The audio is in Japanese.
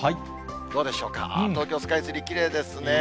どうでしょうか、東京スカイツリー、きれいですね。